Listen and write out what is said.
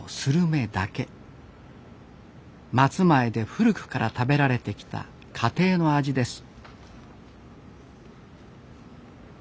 松前で古くから食べられてきた家庭の味です。